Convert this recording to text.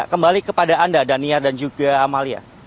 kembali kepada anda daniar dan juga amalia